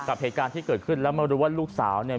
กับเหตุการณ์ที่เกิดขึ้นแล้วมารู้ว่าลูกสาวเนี่ย